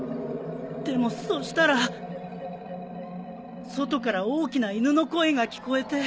でもそしたら外から大きな犬の声が聞こえて。